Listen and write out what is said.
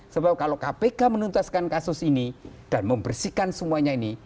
sebab kalau kpk menuntaskan kasus ini dan membersihkan semuanya ini